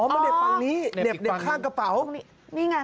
อ๋อมันเหน็บฝั่งนี้เหน็บฝั่งข้างกระเป๋า